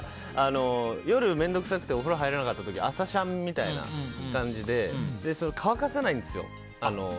夜、面倒くさくてお風呂入らなかった時朝シャンみたいな感じで乾かさないんですよ。